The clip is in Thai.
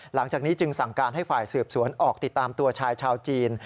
หลังจากนี้จึงสั่งการให้ฝ่ายสืบสวนออกติดตามตัวชายชาวจีน